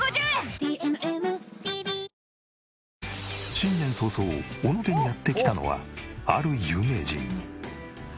新年早々小野家にやって来たのはある有名人。